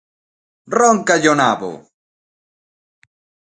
Róncalle o nabo!